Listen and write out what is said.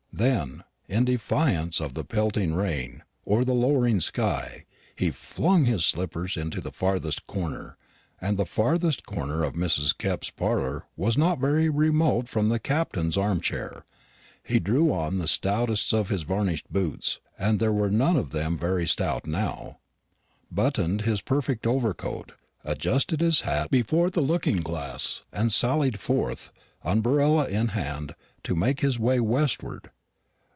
Then, in defiance of the pelting rain or the lowering sky, he flung his slippers into the farthest corner and the farthest corner of Mrs. Kepp's parlour was not very remote from the Captain's arm chair he drew on the stoutest of his varnished boots and there were none of them very stout now buttoned his perfect overcoat, adjusted his hat before the looking glass, and sallied forth, umbrella in hand, to make his way westward.